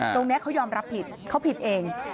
ตรงนี้เขายอมรับผิดเขาผิดเอง